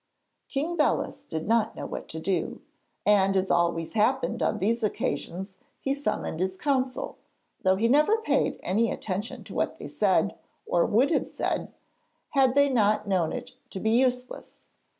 King Belus did not know what to do, and as always happened on these occasions he summoned his council, though he never paid any attention to what they said, or would have said, had they not known it to be useless.